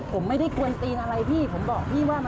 ผมไม่ได้ควรตีนอะไรพี่ผมบอกพี่ว่า